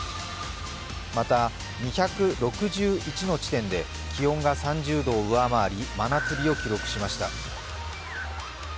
また、２６１の地点で気温が３０度を上回り、真夏日を記録しました。